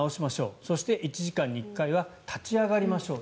そして、１時間に１回は立ち上がりましょう。